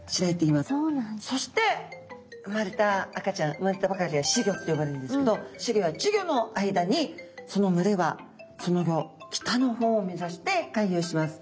そして産まれた赤ちゃん産まれたばかりは仔魚って呼ばれるんですけど仔魚や稚魚の間にその群れはその後北の方を目指して回遊します。